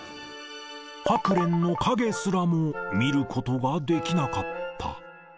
ハクレンの影すらも見ることができなかった。